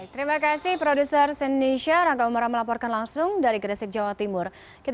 terima kasih produser sini nisha rangka umara melaporkan langsung dari gresik jawa timur